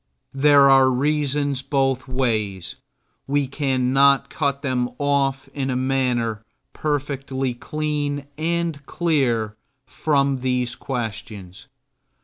There are reasons both ways. We cannot cut them off in a manner perfectly clean and clear from these questions.